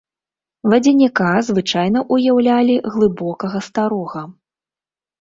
Вадзяніка звычайна ўяўлялі глыбокага старога.